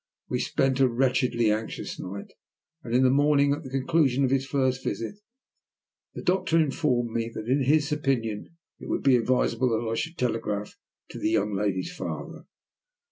We spent a wretchedly anxious night, and in the morning, at the conclusion of his first visit, the doctor informed me that, in his opinion, it would be advisable that I should telegraph to the young lady's father.